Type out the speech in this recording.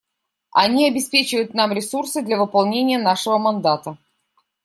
Они обеспечивают нам ресурсы для выполнения нашего мандата.